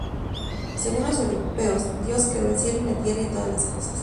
Según los europeos, Dios creó el cielo y la tierra y todas las cosas.